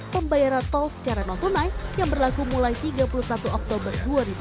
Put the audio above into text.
pembayaran tol secara non tunai yang berlaku mulai tiga puluh satu oktober dua ribu dua puluh